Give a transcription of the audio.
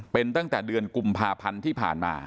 เป็นตั้งแต่เดือนกุมภาพันธ์ที่ผ่านมา